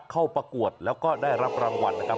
ประกวดแล้วก็ได้รับรางวัลนะครับ